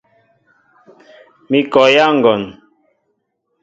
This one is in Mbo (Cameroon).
Mi kɔyá ŋgɔn.